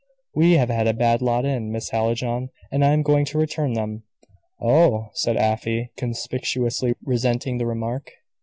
We have had a bad lot in, Miss Hallijohn, and I am going to return them!" "Oh," said Afy, conspicuously resenting the remark.